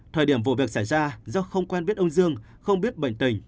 thời điểm vụ việc xảy ra do không quen biết ông dương không biết bệnh tình